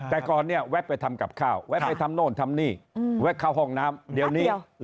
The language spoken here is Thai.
แต่ก่อนเนี่ยแวะไปทำกับข้าวแวะไปทำโน่นทำนี่แวะเข้าห้องน้ำเดี๋ยวนี้